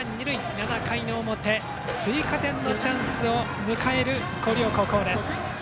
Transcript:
７回表、追加点のチャンスを迎える広陵高校。